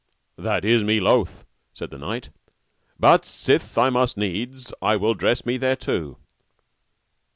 That is me loath, said the knight, but sith I must needs, I will dress me thereto.